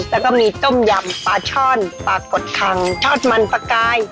แล้วก็มีต้มยำปลาช่อนปลากดคังทอดมันปลากาย